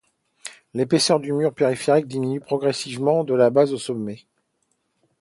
L'épaisseur du mur périphérique diminue progressivement de la base au sommet.